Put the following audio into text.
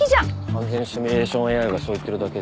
完全シミュレーションＡＩがそう言ってるだけで。